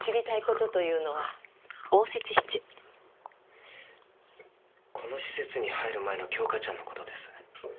この施設に入る前の京花ちゃんのことです。